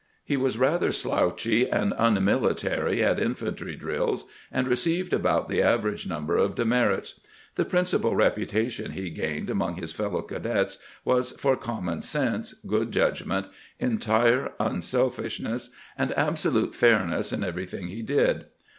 He was rather slouchy and unmilitary at infantry drills, and received about the average number of demerits. The principal reputation he gained among his fellow cadets was for common sense, good judgment, entire unselfishness, and abso lute fairness in everything he did.